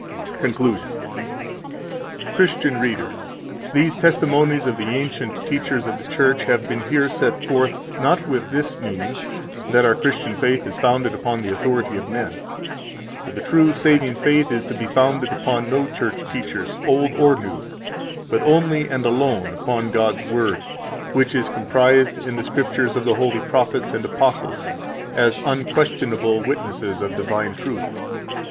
CONCLUSION 181 Christian reader, these testimonies of the ancient teachers of the Church have been here set forth, not with this meaning that our Christian faith is founded upon the authority of men. For the true saving faith is to be founded upon no church teachers, old or new, but only and alone upon God's Word, which is comprised in the Scriptures of the holy prophets and apostles, as unquestionable witnesses of divine truth.